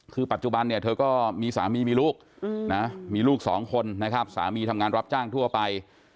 คือปัจจุบันเนี่ยเธอก็มีสามีมีลูกนะมีลูกสองคนนะครับสามีทำงานรับจ้างทั่วไป